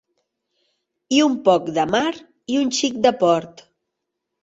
I un poc de mar i un xic de port.